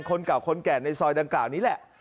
คนเก่าคนแก่ในซอยดังกล่าวนี้แหละ